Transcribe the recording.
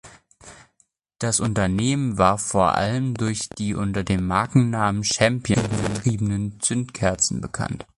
Das Unternehmen war vor allem durch die unter dem Markennamen "Champion" vertriebenen Zündkerzen bekannt.